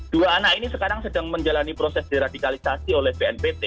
dua anak ini sekarang sedang menjalani proses deradikalisasi oleh bnpt